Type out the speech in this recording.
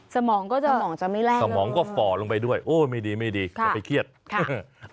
สมองก็จะสมองก็ฝ่อลงไปด้วยโอ้โหไม่ดีอย่าไปเครียดค่ะ